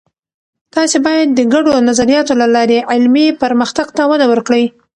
تاسې باید د ګډو نظریاتو له لارې علمي پرمختګ ته وده ورکړئ.